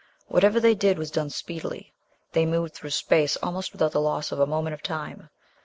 Whatever they did was done speedily. They moved through space almost without the loss of a moment of time."